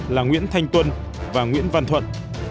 là nguyễn thanh tuân và nguyễn văn thuận